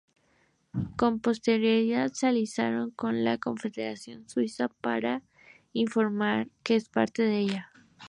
Con posterioridad se aliaron con la Confederación suiza, aunque sin formar parte de ella.